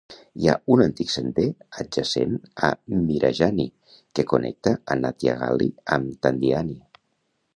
Hi ha un antic sender adjacent a Mirajani que connecta a Nathia Gali amb Thandiani.